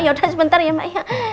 yaudah sebentar ya mbak